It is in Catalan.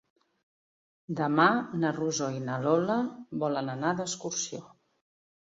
Demà na Rosó i na Lola volen anar d'excursió.